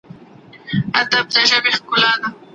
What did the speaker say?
ولي کورني شرکتونه ساختماني مواد له پاکستان څخه واردوي؟